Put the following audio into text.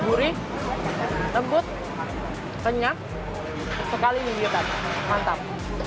burih lembut kenyap sekali menyedap mantap